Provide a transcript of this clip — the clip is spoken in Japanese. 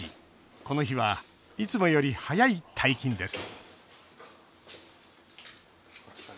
この日はいつもより早い退勤です